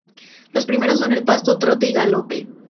Los primeros son el paso, trote y galope.